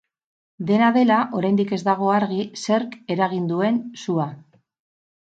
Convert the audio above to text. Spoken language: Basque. Dena dela, oraindik ez dago argi zerk eragin duen sua.